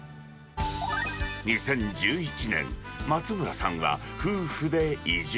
２０１１年、松村さんは夫婦で移住。